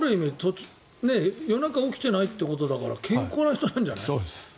夜中に起きてないってことだから健康な人なんじゃない？